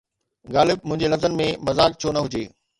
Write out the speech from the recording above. غالب! منهنجي لفظن ۾ مذاق ڇو نه هجي؟